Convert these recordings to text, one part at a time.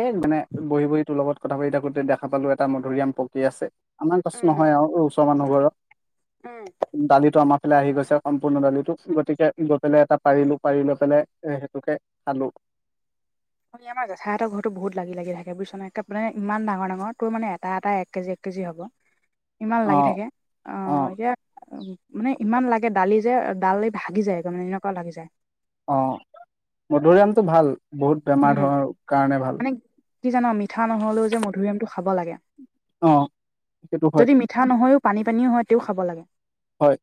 এ, মানে বহি বহি তোৰ লগত কথা পাতি থাকোঁতে দেখা পালোঁ এটা মধুৰিআম পকী আছে। আমাৰ গছ উম, নহয় আৰু, ওচৰৰ মানুহ ঘৰৰ। উম, ডালিটো আমাৰ ফালে আহি গৈছে সম্পূৰ্ণ ডালিটো গতিকে গৈ পেলাই এটা পাৰিলোঁ, পাৰি লৈ পেলাই এ, সেইটোকে খালোঁ। [unintelligible] আমাৰ জেঠাহঁতৰ ঘৰতো বহুত লাগি লাগি থাকে বুজিছনে, একে ইমান ডাঙৰ ডাঙৰ, তোৰ মানে এটা এটা এক কেজি এক কেজি হ'ব। ইমান অ লাগি থাকে, অ' এতিয়া মানে ইমান লাগে ডালি যে ডালি ভাগি যায় মানে এনেকুৱা লাগি যায়। অ' মধুৰিআমটো ভাল, বহুত বেমাৰ উম, ধৰ কাৰণে ভাল। মানে কি জান মিঠা নহ'লেও যে মধুৰিআমটো খাব লাগে। অ' সেইটো হয়। ঠা নহয়ও পানী পানী হয়, তেও খাব লাগে। হয়।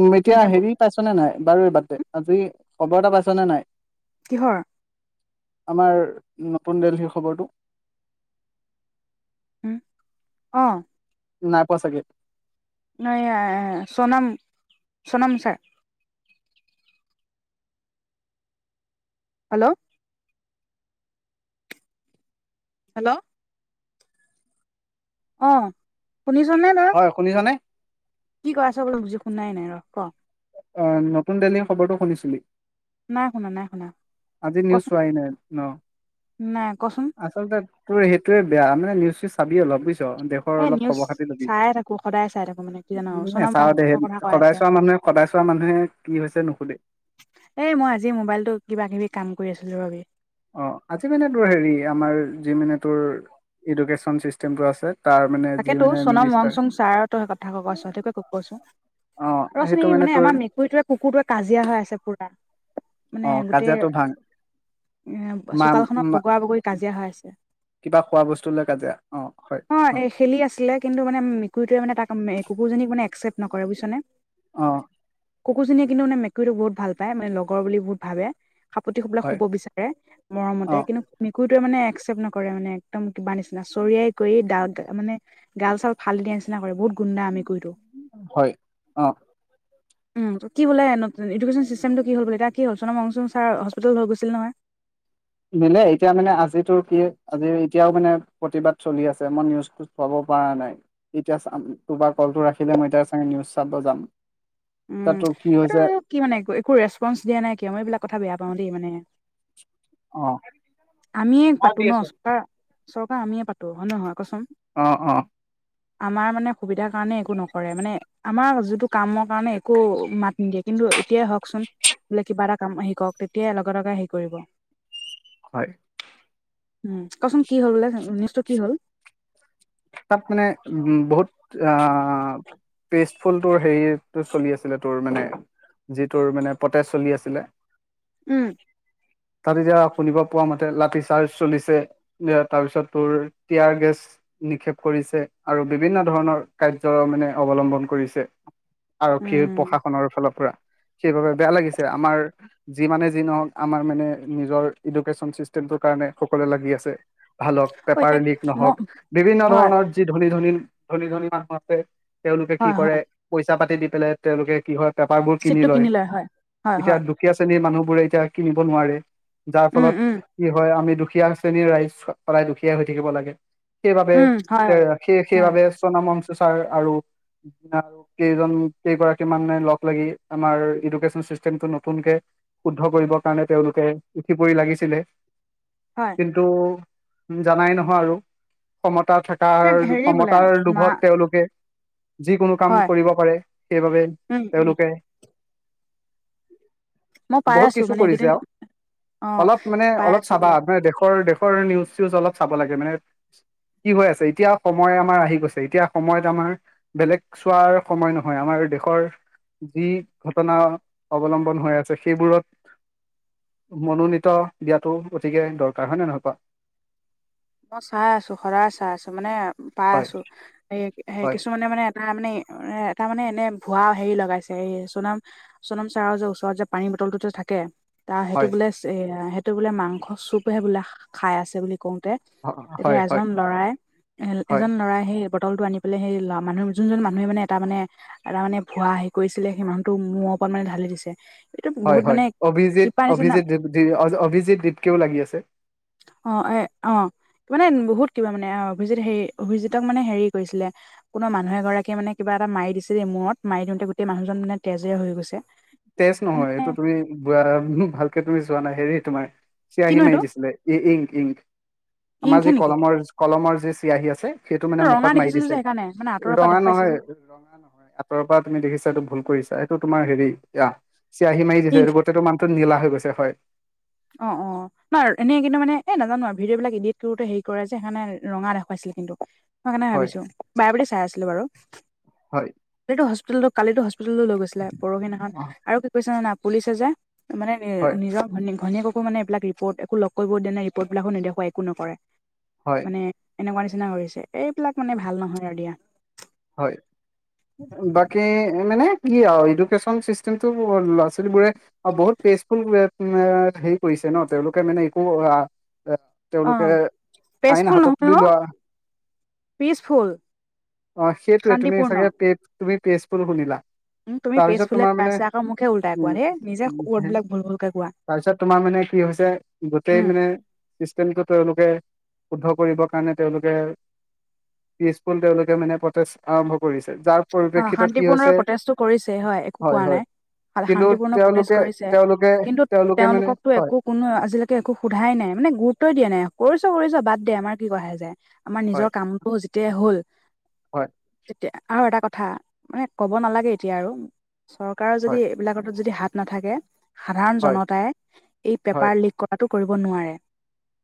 উম, এতিয়া মানে হেৰি পাইছ নে নাই, বাৰু বাদ দে, আজি খবৰ এটা পাইছনে নাই? কিহৰ? আমাৰ নতুন দেলহীৰ খবৰটো। উম, অ'। নাই পোৱা চাগে। নাই [unintelligible] চোনাম, চোনাম ছাৰ। হেল্ল'। হেল্ল'। অ' শুনিছনে [unintelligible] হয়, শুনিছনে? কি কৈ আছ বোলে বুজি শুনাই নাই, ৰ ক'। অ' নতুন দিল্লীৰ খবৰটো শুনিছিলি? নাই শুনা, নাই শুনা। আজি নিউজ কচোন চোৱাই নাই ন'? নাই, কচোন। আচলতে তোৰ সেইটোয়ে বেয়া, মানে নিউজ চিউজ চাবি অলপ বুজিছ, দে শৰ এ অলপ নিউজ খবৰ খাতি ল'বি। চাই থাকো সদায় চাই থাকো মানে কি জানো উ, চনৰ মৰম নেচাওঁ দে, চমৰ কথা কৈ সদায় আছে চোৱা মানুহে সদায় চোৱা মানুহে কি হৈছে নুসোধে। এই মই আজি মোবাইলটো কিবা কিবি কাম কৰি আছিলোঁ ৰবি। অ' আজি মানে তোৰ হেৰি আমাৰ যি মানে তোৰ এডুকেশ্যন চিষ্টেমটো আছে তাৰ মানে যি তাকেতো মানে সুনম মং মিনিষ্টাৰ চুং ছাৰতো সেই কথা কব কৈছো সেইটোকে কব কৈছো অ ৰচোন সেইটো এই মানে তোৰ আমাৰ মেকুৰীটোৱে কুকুৰটোৱে কাজিয়া হৈ আছে পুৰা মানে অ গোটেই কাজিয়াটো ভাং এ মা চোতালখনত মা- বগৰা বগৰী কাজিয়া হৈ আছে কিবা খোৱা বস্তু লৈ কাজিয়া অ হয় অ খেলি আছিলে কিন্তু মানে মেকুৰীটোৱে মানে তাক কুকুৰজনীক মানে একচেপ্ট নকৰে বুজিছনে অ কুকুৰ জনীয়ে কিন্তু মান মেকুৰীটো বহুত ভাল পাই মানে লগৰ বুলি ভাবে সাপোতি পেলাই হয় শুব বিচাৰে অ মৰমতে কিন্তু মেকুৰীটোৱে মানে একচেপ্ট নকৰে মানে একদম কিব নিচিনা চৰিয়াই কৰি দা মানে গাল চাল ফালি দিয়া নিচিনা কৰে বহুত গুন্ডা মেকুৰীটো হয় অ উম কি বোলে এডুকেশ্যন চিষ্টেমটো কি হল বোলে এতিয়া কি হ'ল সুনম মং চুং ছাৰ হস্পিতেল হৈ গৈছিল নহয় নিলে এতিয়া মানে আজিতো কি আজি এতিয়াও মানে প্ৰতিবাদ চলি আছে মই নিউজ চাব পৰা নাই এতিয়া তোমাৰ কলটো ৰাখিলে মই এতিয়া চে নিউজ চাব যাম উম তাতো কি এইটো হৈছে কি মানে একো ৰেচপনচ দিয়া নাই কিয় মই এইবিলাক কথা বেয়া পাওঁ দেই মানে অ আমিয়ে পাতো ন চৰকাৰ চৰকাৰ আমিয়ে পাতো হয় নহয় কচোন অ অ আমাৰ মানে সুবিধাৰ কাৰণে একো নকৰে মানে আমাৰ যিটো কামৰ কাৰণে একো মাত নিদিয়ে কিন্তু এতিয়াই হওকচোন বোলে কিবা এটা কাম শিকক তেতিয়াই লগে লগে হেৰি কৰিব হয় উম কচোন কি হ'ল বোলে নিউজটো কি হ'ল তাত মানে উম বহুত আহ পেষ্টফুলতো হেৰিটো চলি আছিলে তোৰ মানে যিটোৰ মানে পতেচ চলি আছিলে উম তাত এতিয়া শুনিব পোৱা মতে লাঠি চাৰ্জ চলিছে এ তাৰ পিছত তোৰ তিয়াৰ গেছ নিষেপ কৰিছে আৰু বিভিন্ন ধৰণৰ কাৰ্য মানে অৱলম্বন কৰিছে আৰক্ষী উম প্ৰশাসনৰ ফালৰ পৰা সেইবাবে বেয়া লাগিছে আমাৰ যিমানে যি নহওক আমাৰ মানে নিজৰ এডুকেশ্যচন চিষ্টেমটোৰ কাৰণে সকলোৱে লাগি আছে ভাল হওক অ পেপাৰ এতিয়া লিক ম নহওক বিভিন্ন হয় ধৰণৰ যি ধনী ধনীন ধনী ধনী মানুহ আছে তেওঁলোকে কি হয় কৰে হয় পইচা পাতি দি পেলাই তেওঁলোকে কি হয় পেপাৰ বোৰ কিনি চিটটো লয় হয় হয় এতিয়া হয় দুখীয়া শ্ৰেণীৰ মানুহবোৰে এতিয়া কিনিব নোৱাৰে যাৰ উম ফলত উম কি হয় আমি দুখীয়া শ্ৰেণীৰ ৰাইজ সদাই দুখীয়া হৈ থাকিব লাগে সেইবাবে উম হয় এ আৰু সেই হয় সেইবাবে সুনম মং চু ছাৰ আৰু কেইজন কেইগৰাকী মান লগ লাগি আমাৰ এডুকেশ্যন চিষ্টেমটো নতুনকে শুদ্ধ কৰিবৰ কাৰণে তেওঁলোকে উঠি পৰি লাগিছিলে হয় কিন্তু তুমি জানাই নহয় আৰু ক্ষমতাৰ থকাৰ এতিয়া হেৰি বোলে ক্ষমতাৰ মা লোভত তেওঁলোকে যিকোনো কাম হয় কৰিব পাৰে সেইবাবে উম উম তেওঁলোকে মই [inaudible] পাই বহুত আছো কিছু মানে এইকেইদিন কৰিছে আও অ অলপ মানে পাই অলপ আছো চাবা বোলে মানে দেশৰ দেশ- কৰ নিউজ চিউজ অলপ চাব লাগে মেনে- কি হৈ আছে এতিয়া সময় আমাৰ আহি গৈছে এতিয়া সময়ত আমাৰ- বেলেগ চোৱাৰ সময় নহয় আমাৰ দেশৰ- যি ঘটনা অৱলম্বন হৈ আছে সেইবোৰত- মনোনীত দিয়াতো অতিকে দৰকাৰ হয় নে নহয় কোৱা। মই চাই আছো সদায় চাই আছো মানে পাই আছো এই হয় কিছুমানে মানে- তা মানে এ তা মানে এনে ভুৱা হেৰি লগাইছে এই চুনাম- চুনাম চাৰৰ যে ওচৰত যে পানীৰ বটলটো যে থাকে- তাৰ সেইটো হয় বোলে এ সেইটো বোলে মাংস চুপহে বোলে খাই আছে বুলি কওঁতে- তেতিয়া হয় হয় হয় এজন লৰাই হয় এজন লৰাই সেই- বটলটো আনি পেলাই সেই লৱা মানুহ যোনজন মানুহে মানে এটা মানে- এটা মানে ভুৱা হেই কৰিছিলে সেই মানুহটো মূৰ ওপত মানে ঢালি দিছে। এইটো হয় বহুত হয়, মানে অভিজিত কিবা নিচিনা অভিজিত অভিজিত দিপকেও লাগি আছে। অঁ' এ অঁ' মানে বহুত কিবা মানে অঁ অভিজিত হেৰি, অভিজিতক মানে হেৰি কৰিছিলে- কোনো মানুহ এগৰাকীয়ে মানে কিবা এটা মাৰি দিছে দেই মূৰত, মাৰি দিওঁতে গোটেই মানুহজন মানে তেজে হৈ গৈছে। তেজ নহয়, মানে এইটো তুমি বোৱা ভালকে তুমি চোৱা নাই, হেৰি তোমাৰ- চিয়াহী কিনো মাৰি এইটো দিছিলে, ই-ইংক, ইংক আমাৰ ইংকহে যি নেকি কলমৰ, কলমৰ যে চিয়াহী আছে। সেইটো মানে এইটো ৰঙা মুখত মাৰি দেখিছিলো যে দিছে, সেইকাৰণে মানে আঁতৰৰ পৰা ৰঙা দেখুৱাইছে নহয়। যে আঁতৰ পৰা তুমি দেখিছা, এইটো ভুল কৰিছা। এইটো তোমাৰ হেৰি য়া চিয়াহী মাৰি দিছে ইংক এইটো বহুত- তেতো মানুহটো নীলা হৈ গৈছে হয়। অঁ' অঁ' নহ এনে কিন্তু মানে এই নাজানো আৰু ভিডিঅ' বিলাক ইডিট কৰোতে হেৰি কৰে যে সেইকানে ৰঙা দেখুৱাইছিলে কিন্তু। স কাৰণে হয় ভাবিছো বাৰে বুলি চাই আছিলো বাৰু হয় এটো হস্পিতেলটো- কালিতো হস্পিতেললো গৈছিলে পৰহিনাখন, অ আৰু কি কৈছে না পুলিচে যে মানে হয় নিজৰ- ঘনী ঘনীয়েককো মানে এইবিলাক ৰিপৰ্ট একো লগ কৰিবও দিয়া নাই ৰিপৰ্টবিলাকো নেদেখোৱাই একো নকৰে। হয় মানে এনেকুৱা নিচিনা কৰিছে এইবিলাক মানে ভাল নহয় আৰু দিয়া। হয়। বাকী এ মানে কি আও এডুকেচন চিষ্টেমটো ল'ৰা ছোৱালী বোৰে- অ' বহুত পেষ্ফুল ৱেব এ হেৰি কৰিছে ন, তেওঁলোকে মানে একো আ- অ তেওঁলোকে, আইন পেচফুল হাতত নহয় তুলি অ লোৱা- পিচফুল। অ' সেইটোৱেই তুমি শান্তিপূৰ্ণ চাগে পেজ তুমি পেজফুল শুনিলা। উম' তুমি তাৰপিছত পেছফুলেই তোমাৰ কৈ মানে আছা, আকৌ মোক হে উলোটাই কোৱা দেই, নিজে ৱৰ্ডবিলাক ভুল ভুলকে কোৱা। তাপিছত তোমাৰ মানে, কি হৈছে উম গোটেই মানে- চিষ্টেমটো তেওঁলোকে, শুদ্ধ কৰিবৰ কাৰণে তেওঁলোকে- পিচফুল, তেওঁলোকে মানে পৰ্তেষ্ট আৰম্ভ কৰিছে। যাৰ- অঁ' পৰিপ্ৰেক্ষিতত কি শান্তিপূৰ্ণৰে হৈছে প্ৰটেষ্টটো কৰিছে হয়, একো কোৱা নাই। কিন্তু শান্তিপূৰ্ণ প্ৰটেষ্ট তেওঁলোকে কৰিছে, তেওঁলোকে কিন্তু তেওঁলোকে মানে তেওঁলোককটো হয় একো- কোনো আজিলৈকে একো সোধাই নাই, মানে গুৰুত্বই দিয়া নাই কৰিছ, কৰিছ বাদ দে আমাৰ কি আহে যায়। আমাৰ হয় নিজৰ কামটো যেতিয়াই হ'ল। হয়। এতিয়া আৰু এটা কথা মানে ক'ব নালাগে এতিয়া আৰু চৰকাৰৰ যদি হয় এইবিলাকটো যদি হাত- নাথাকে সাধাৰণ হয় জনতাই, এই পেপাৰ হয় লিক কটাটো কৰিব নোৱাৰে।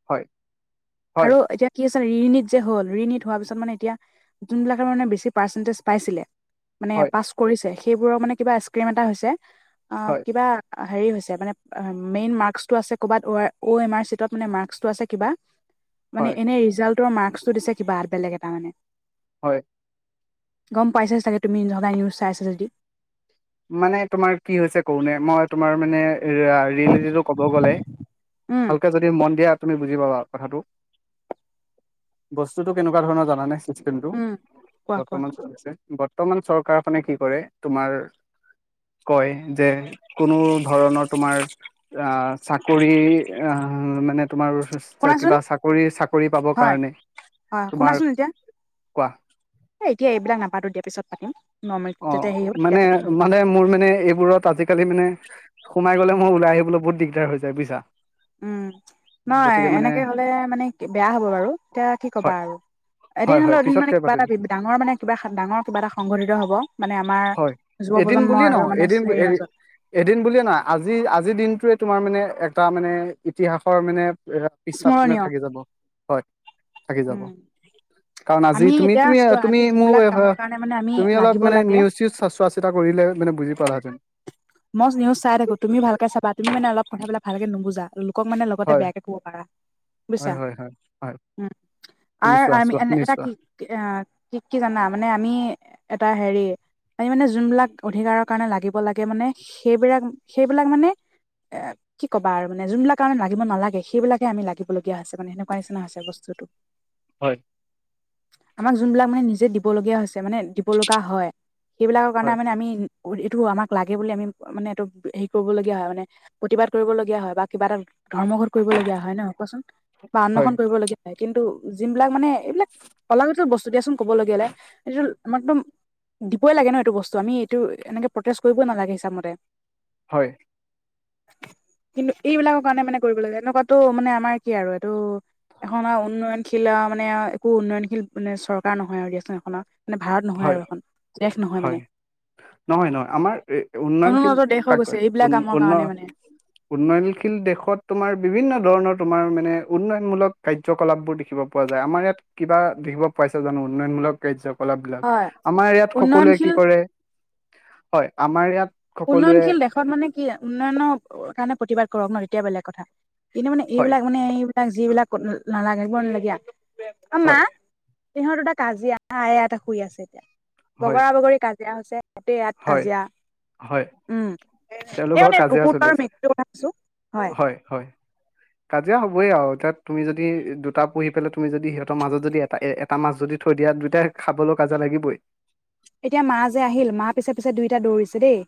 হয় হয় আৰু এতিয়া- কি আছে ৰিণীট যে হ'ল, ৰিণীট হোৱাৰ পিছত মানে এতিয়া যোনবিলাকে মানে বেছি পাৰ্চেণ্টেজ পাইছিলে- মানে হয় পাছ কৰিছে, সেইবোৰৰ মানে কিবা স্ক্ৰীম এটা হৈছে। অ' হয় কিবা হেৰি হৈছে মানে মেইন মাৰ্কছটো আছে ক'বাত উৱে উয়েমাৰ চিটত মানে মাৰ্কটো আছে কিবা। মানে হয় এনে ৰিজাল্টৰ মাৰ্কচটো দিছে কিবা বেলেগ এটা মানে। হয়। পাইছাই ছাগে তুমি সদায় নিউজ চাইচা যদি। মানে তোমাৰ কি হৈছে ক'ব নোৱাৰিম, মই তোমাৰ মানে আহ' ৰিল ক'ব গ'লে, উম ভালকে যদি যদি মন দিয়া তুমি বুজি পাবা কথাটো, বস্তুটো কেনেকুৱা ধৰণৰ জানানে? চিষ্টেমটো, উম কোৱা কোৱা বৰ্তমান, [unintelligible] বৰ্তমান চৰকাৰখনে কি কৰে তোমাৰ কয় যে, কোনো ধৰণৰ তোমাৰ আহ' চাকৰি আহ' মানে তোমাৰ চা শুনাচোন কিবা চাকৰি-চাকৰি পাব হয় কাৰণে, হয় শুনাচোন তোমাৰ এতিয়া কোৱা? এ এতিয়া এইবিলাক নাপাটো দিয়া পিছত পাতিম। নৰ্মেল যেতিয়া হেৰি অ' হ'ব তেতিয়া মানে, পাতিম দিয়া মানে মোৰ মানে এইবোৰত আজি কালি মানে সোমাই গ'লে মই ওলাই আহিবলৈ বহুত দিগদাৰ হৈ যায় বুইছা। উমঁ' নহয় এনেকে হ'লে মানে বেয়া হ'ব বাৰু, এতিয়া কি কবা হয় আৰু। এদিন হয় হয় হ'লেও এদিন মানে পিছতকে কিবা পাতিম এটা বিপ, ডাঙৰ মানে কিবা ডাঙৰ কিবা এটা সংঘটিত হ'ব। মানে আমাৰ হয় এদিন যুৱ-প্ৰজন্ম বুলিয়ে আৰু নহয় মানে এদিন হেৰি মাজত। এদিন বুলিয়ে নহয়, আজি আজিৰ দিনটোৱে তোমাৰ মানে এটা মানে ইতিহাসৰ মানে পিষ্টাত মানে স্মৰণীয় থাকি যাব। হয় থাকি যাব। উম কাৰণ আজি আমি তুমি এতিয়া তুমি চোৱা তুমি আমি যোনবিলাক মোৰ কামৰ কাৰণে মানে আমি তুমি অলপ লাগিব মানে লাগে নিউজ চোৱা চিতা কৰিলে মানে বুজি পালা হেঁতেন। মই নিউজ চাই থাকো, তুমি ভালকে চাবা, তুমি মানে অলপ কথা বিলাক অলপ ভালকে নুবুজা। লোকক মানে লগতে হয় বেয়াকে ক'ব পাৰা, বুজিছা। হয় হয় হয় হয় উমঁ' তুমি আৰু চোৱা আৰু চোৱা এনে নিউজ এটা চোৱা কি- আহ' কি কি জানা মানে আমি এটা হেৰি- আমি মানে যোনবিলাক অধিকাৰৰ কাৰণে লাগিব লাগে মানে সেইবিলাক, সেইবিলাক মানে [unintelligible] কি ক'ব আৰু মানে যোনবিলাক আমি লাগিব নালাগে, সেইবিলাকে আমি লাগিবলগীয়া হৈছে মানে সেনেকোৱা নিচিনা হৈছে বস্তুটো। [unintelligible] হয়। আমাক যোনবিলাক মানে নিজে দিবলগীয়া হৈছে, মানে দিব লগা হয়। সেইবিলাকৰ কাৰণে হয় মানে আমি এইটো আমাক লাগে বুলি আমি মানে এইটো হেৰি কৰিবলগীয়া হয় মানে প্ৰতিবাদ কৰিবলগীয়া হয় বা কিবা এটা ধৰ্মঘোট কৰিব লগীয়া হয় নহয় কোৱাচোন বা হয় আন্নখনন কৰিব লগগীয়া হয়। কিন্তু যোন বিলাক মানে এইবিলাক অলাগতিয়াল বস্তু দিয়াচোন কবলে গ'লে, এইটো আমাৰ একদম দিবই লাগে ন' এইটো বস্তু আমি এইটো এনেকে প্ৰটেষ্ট কৰিবই নালাগে হিচাপমতে। হয়। কিন্তু এইবিলাকৰ কাৰণে মানে কৰিব লাগে। এনেকুৱাটো মানে আমাৰ কি আৰু এইটো এখন আৰু উন্নয়নশীল আৰু মানে একো উন্নয়নশীল মানে চৰকাৰ নহয় আৰু দিয়াচোন এখনৰ। মানে ভাৰত নহয় হয় আৰু এখন, দেশ নহয় হয় মানে। নহয় নহয়, আমাৰ উন্নয়নশীল অনুন্নত দেশ হৈ কাক গৈছে কয়, এইবিলাক কামৰ উন্ন কাৰণে মানে উন্নয়নশীল দেশত তোমাৰ বিভিন্ন ধৰণৰ তোমাৰ মানে উন্নয়নমূলক কাৰ্যকলাপবোৰ দেখিব পোৱা যায়। আমাৰ ইয়াত কিবা দেখিব পাইছে জানো উন্নয়নমূলক কাৰ্যকলাপ বিলাক। হয় আমাৰ ইয়াত উন্নয়নশীল তে হয়, আমাৰ ইয়াত সকলোৱে উন্নয়নশীল দেশত মানে কি, উন্নয়নৰ কাৰণে, প্ৰতিবাদ কৰক ন তেতিয়া বেলেগ কথা। কিন্তু মানে, হয় এইবিলাক মানে এইবিলাক যিবিলাক নালাগিব লগীয়া অ', মা হয় সিহঁত দুটা কাজিয়া, আ এটা শুই আছে, হয় বগৰা-বগৰী কাজিয়া হৈছে। তাতে ইয়াত হয় কাজিয়া। হয়। উম, [unintelligible] এ তেওঁলোকৰ মানে কাজিয়া কুকুৰ আৰু চলিছে। মেকুৰীটো কথা কৈছোঁ, হয়। হয়। [inaudible] কাজিয়া হ'বই আৰু, এতিয়া তুমি যদি দুটা পুহি পেলাই তুমি যদি সিহঁতৰ মাজত যদি এটা এ এটা মাছ যদি থৈ দিয়া দুইটাই খাবলৈ কাজিয়া লাগিবই। এতিয়া মা যে আহিল, মা পিছে, পিছে দুইটা দৌৰিছে দেই।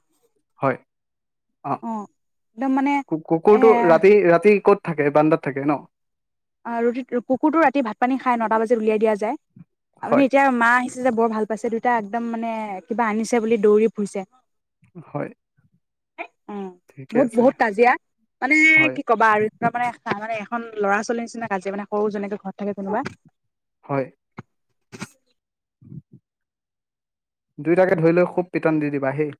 হয়, অ', একদম মানে এ কুকুৰটো ৰাতি, ৰাতি ক'ত থাকে, বাৰাণ্ডাত থাকে ন। অ', ৰুটি, কুকুৰটো ৰাতি ভাত-পানী খাই, নটা বাজিত উলিয়াই দিয়া যায়। আপুনি হয়, এতিয়া মা আহিছে যে বৰ ভাল পাইছে, দুইতটা একদম মানে কিবা আনিছে বুলি দৌৰি ফুৰিছে। হয়। অ', ঠিকে বহুত, আছে, বহুত কাজিয়া মানে হয়, কি কবা আৰু। তাৰ মানে, মানে এখন ল'ৰা-ছোৱালীৰ নিচিনা কাজিয়া মানে সৰু যেনেকে ঘৰত থাকে তেনেকুৱা। হয়। দুইটাকে ধৰি লৈ খুব পিটন দি দিবা হেই।